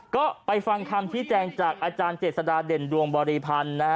ก็ไปฟังคำชี้แจงจากอาจารย์เจษฎาเด่นดวงบริพันธ์นะฮะ